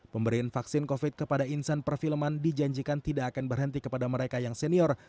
pemberian vaksin covid kepada insan perfilman dijanjikan tidak akan berhenti kepada mereka yang senior